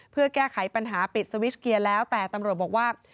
เพื่อแก้ไขปัญหาปิดสวิสเกียร์แล้วแต่ตำรวจบอกว่า